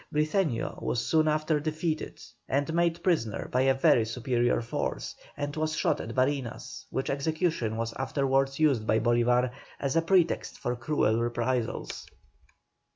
Briceño was soon after defeated and made prisoner by a very superior force, and was shot at Barinas, which execution was afterwards used by Bolívar as a pretext for cruel reprisals.